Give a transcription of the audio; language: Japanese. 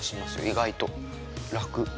意外と楽。